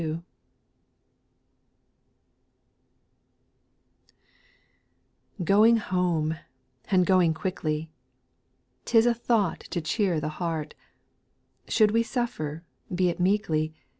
/^ OIKG home I and going quickly I vJT 'T is a thought to cheer the heart ; Should we suffer, be it meekly.